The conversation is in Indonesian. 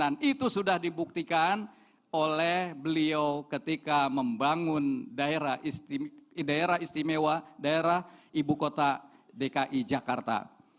dan itu sudah dibuktikan oleh beliau ketika membangun daerah istimewa daerah ibu kota dki jakarta